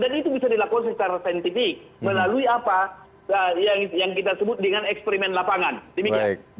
dan itu bisa dilakukan secara sentiti melalui apa yang kita sebut dengan eksperimen lapangan